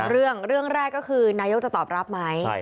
เรื่องเรื่องแรกก็คือนายกจะตอบรับไหม